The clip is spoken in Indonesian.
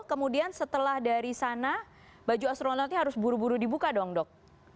kemudian setelah dari sana baju astronotnya harus buru buru dibuka dong dok